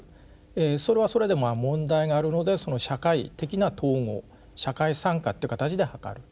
それはそれで問題があるのでその社会的な統合社会参加っていう形で図る。